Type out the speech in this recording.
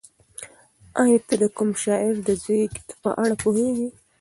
ایا ته د کوم شاعر د زېږد په اړه پوهېږې؟